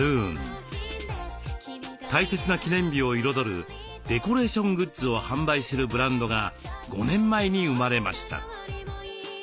大切な記念日を彩るデコレーショングッズを販売するブランドが５年前に生まれました。